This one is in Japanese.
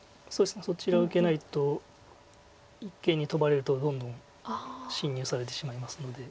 そちら受けないと一間にトバれるとどんどん侵入されてしまいますので。